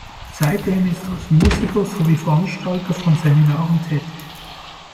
Seitdem ist er als Musiker sowie Veranstalter von Seminaren tätig.